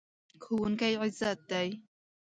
ښوونکی عزت دی.